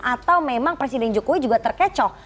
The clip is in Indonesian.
atau memang presiden jokowi juga terkecoh